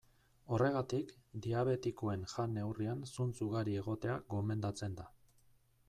Horregatik, diabetikoen jan-neurrian zuntz ugari egotea gomendatzen da.